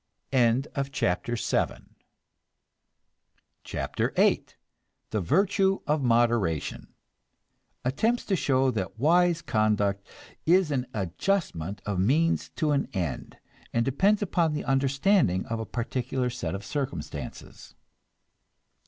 CHAPTER VIII THE VIRTUE OF MODERATION (Attempts to show that wise conduct is an adjustment of means to ends, and depends upon the understanding of a particular set of circumstances.)